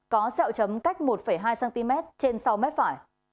có xeo chấm cách một hai cm trên sáu m phải